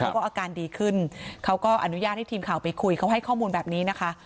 อาการดีขึ้นเขาก็อนุญาตให้ทีมข่าวไปคุยเขาให้ข้อมูลแบบนี้นะคะ